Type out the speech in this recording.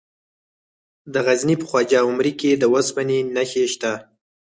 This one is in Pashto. د غزني په خواجه عمري کې د اوسپنې نښې شته.